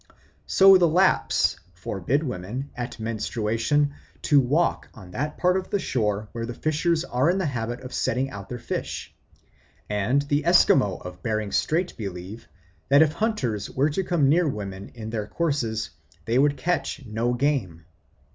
So the Lapps forbid women at menstruation to walk on that part of the shore where the fishers are in the habit of setting out their fish; and the Esquimaux of Bering Strait believe that if hunters were to come near women in their courses they would catch no game.